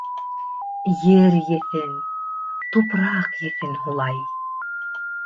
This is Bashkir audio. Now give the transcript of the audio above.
Ер еҫен, тупраҡ еҫен һулай.